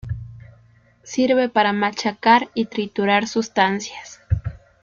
Sirve para machacar y triturar sustancias.